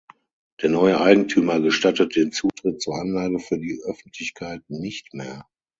Der neue Eigentümer gestattet den Zutritt zur Anlage für die Öffentlichkeit nicht mehr.